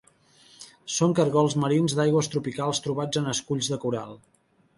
Són caragols marins d'aigües tropicals trobats en els esculls de coral.